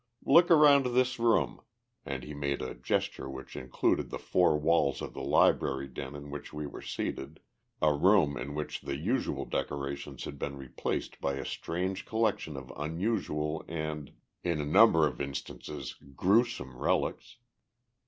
"Look around this room" and he made a gesture which included the four walls of the library den in which we were seated, a room in which the usual decorations had been replaced by a strange collection of unusual and, in a number of instances, gruesome relics.